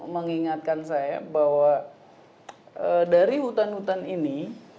mengingatkan saya bahwa dari hutan hutan ini